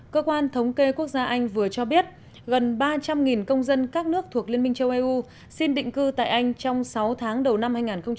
cơ quan thống kê quốc gia anh vừa cho biết gần ba trăm linh công dân các nước thuộc liên minh châu âu xin định cư tại anh trong sáu tháng đầu năm hai nghìn hai mươi